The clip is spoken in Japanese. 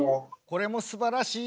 これもすばらしい。